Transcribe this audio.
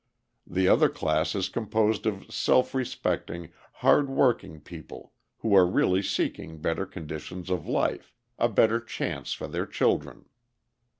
The other class is composed of self respecting, hard working people who are really seeking better conditions of life, a better chance for their children.